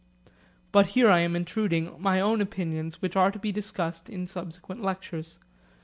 But here I am intruding my own opinions which are to be discussed in subsequent lectures.